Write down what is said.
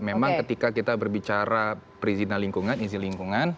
memang ketika kita berbicara perizinan lingkungan izin lingkungan